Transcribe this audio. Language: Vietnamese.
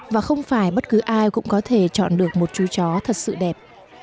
và không phải bất cứ ai cũng có thể chọn được một chú chó thật sự đẹp